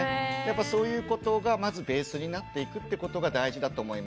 そういうことがまずベースになっていくってことが大事だと思います。